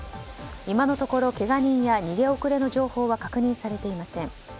今のところ、けが人や逃げ遅れの情報は確認されていません。